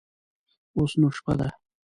اوس نو شپه ده.